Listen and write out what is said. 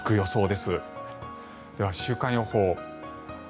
では、週間予報。